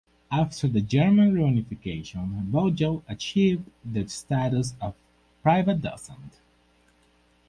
After the German reunification Vogel achieved the status of Privatdozent.